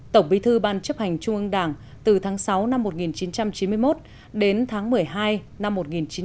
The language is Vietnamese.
tổng bí thư ban chấp hành trung ương đảng từ tháng sáu năm một nghìn chín trăm chín mươi một đến tháng một mươi hai năm một nghìn chín trăm bảy mươi